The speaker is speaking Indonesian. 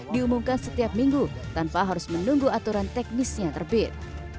diumumkan setiap minggu tanpa harus menunggu aturan teknisnya terbit